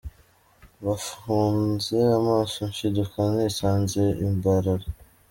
Bamfunze amaso nshiduka nisanze i Mbarara.